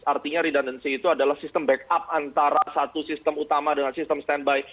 artinya redundancy itu adalah system backup antara satu system utama dengan system stand by